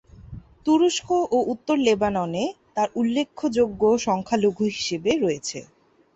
তুরস্ক ও উত্তর লেবাননে তারা উল্লেখযোগ্য সংখ্যালঘু হিসেবে রয়েছে।